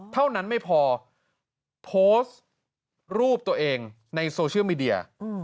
เท่านั้นไม่พอโพสต์รูปตัวเองในโซเชียลมีเดีย